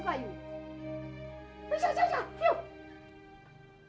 saya tidak suka kamu